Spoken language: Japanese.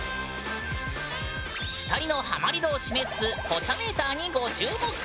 ２人のハマり度を示すポチャメーターにご注目！